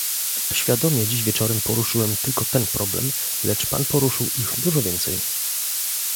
Świadomie dziś wieczorem poruszyłem tylko ten problem, lecz pan poruszył ich dużo więcej